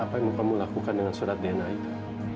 apa yang mau kamu lakukan dengan surat dna itu